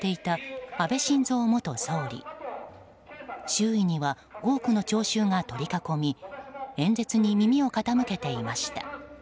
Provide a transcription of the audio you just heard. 周囲には多くの聴衆が取り囲み演説に耳を傾けていました。